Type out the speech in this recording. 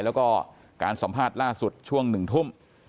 แล้วก็การสัมภาษณ์ล่าสุดช่วง๑ทุ่ม